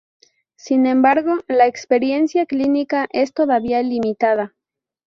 Sin embargo, la experiencia clínica es todavía limitada.